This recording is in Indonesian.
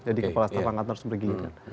jadi kepala setiap angkatan harus bergigit